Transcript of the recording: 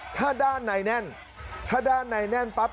ทันนะครับ